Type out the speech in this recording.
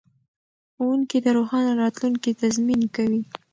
ښوونکي د روښانه راتلونکي تضمین کوي.